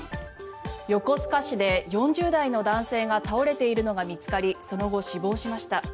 横須賀市で４０代の男性が倒れているのが見つかりその後、死亡しました。